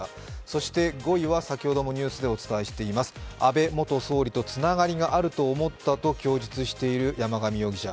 そして５位は先ほどもお伝えしています、安倍元総理とつながりがあると思ったと供述している山上容疑者。